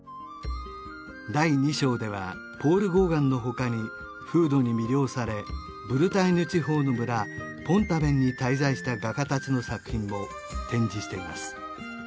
第２章ではポール・ゴーガンの他に風土に魅了されブルターニュ地方の村ポン＝タヴェンに滞在した画家たちの作品も展示しています